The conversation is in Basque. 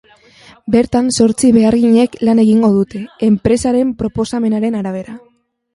Bertan zortzi beharginek lan egingo dute, enpresaren proposamenaren arabera.